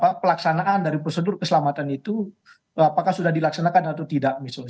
dan juga pelaksanaan dari prosedur keselamatan itu apakah sudah dilaksanakan atau tidak misalnya